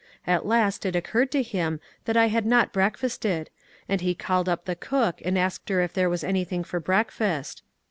At last it occurred to him that I had not breakfasted, and he called up the cook, and asked her if there was anything for breakfast.